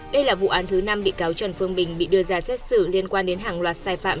đây là vụ án thứ năm bị cáo trần phương bình bị đưa ra xét xử liên quan đến hàng loạt sai phạm